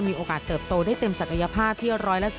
มีโอกาสเติบโตได้เต็มศักยภาพที่๑๐๔๕